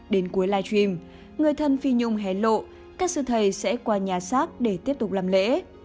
đến cuối live stream người thân phi nhung hé lộ các sư thầy sẽ qua nhà xác để tiếp tục làm lễ